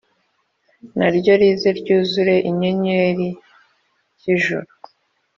Naryo rize ryuzure inyenyeri ki ijuru